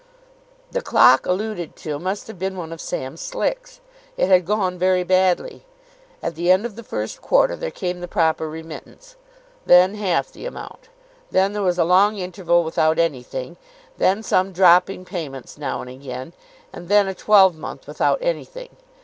The clock alluded to must have been one of Sam Slick's. It had gone very badly. At the end of the first quarter there came the proper remittance; then half the amount; then there was a long interval without anything; then some dropping payments now and again; and then a twelvemonth without anything.